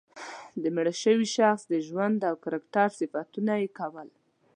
د مړه شوي شخص د ژوند او کرکټر صفتونه یې کول.